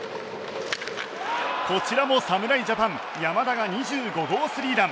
こちらも侍ジャパン山田が２５号スリーラン。